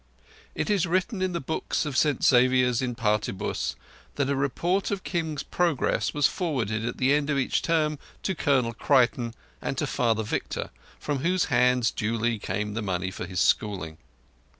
It is written in the books of St Xavier's in Partibus that a report of Kim's progress was forwarded at the end of each term to Colonel Creighton and to Father Victor, from whose hands duly came the money for his schooling.